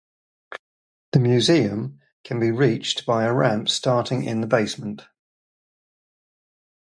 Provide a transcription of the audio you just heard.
The museum can be reached by a ramp starting in the basement.